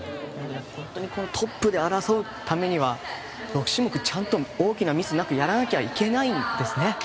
本当にトップで争うためには６種目ちゃんと大きなミスなくやらなきゃいけないんですね。